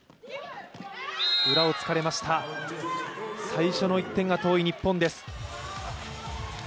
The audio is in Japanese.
最初の１点が遠い日本です。